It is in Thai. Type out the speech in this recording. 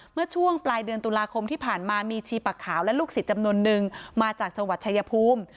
เมื่อช่วงปลายเดือนตุลาคมที่ผ่านมามีชีปักขาวและลูกศิษย์จำนวนนึงมาจากจังหวัดชายภูมิ